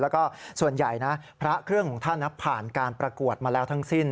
แล้วก็ส่วนใหญ่นะพระเครื่องของท่านผ่านการประกวดมาแล้วทั้งสิ้น